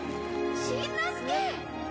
しんのすけ！